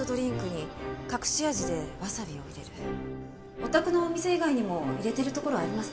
お宅のお店以外にも入れてるところはありますか？